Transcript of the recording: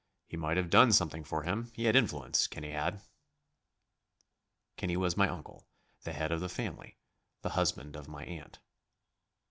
He might have done something for him he had influence, Kenny had." Kenny was my uncle, the head of the family, the husband of my aunt.